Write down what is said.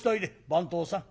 「番頭さん」。